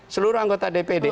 seluruh anggota dpd